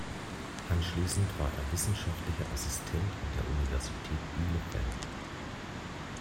Anschließend war er wissenschaftlicher Assistent an der Universität Bielefeld.